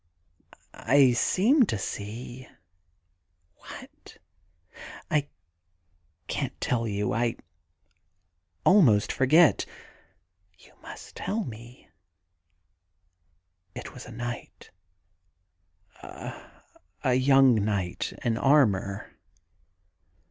... I seemed to see ' *What?' * I can't tell you. I almost forget.' * You must tell me.' ' It was a knight ... a young knight in armour.'